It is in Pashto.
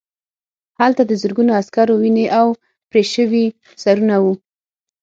هلته د زرګونو عسکرو وینې او پرې شوي سرونه وو